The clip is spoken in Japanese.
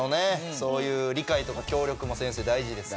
そういう理解とか協力も先生大事ですか？